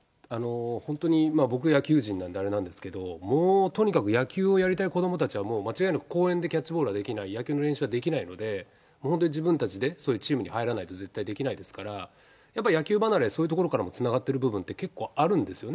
本当に僕、野球人なんであれなんですけど、もうとにかく野球をやりたい子どもたちは、もう間違いなく公園でキャッチボールはできない、野球の練習はできないので、本当に自分たちでそういうチームに入らないと、絶対できないですから、やはり野球離れ、そういうところからもつながってる部分、結構、あるんですよね。